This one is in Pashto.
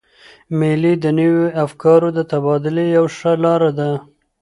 مېلې د نوو افکارو د تبادلې یوه ښه لاره ده.